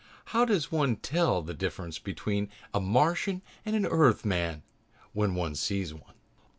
How does one tell the difference between a Martian and an Earthman when one sees one?"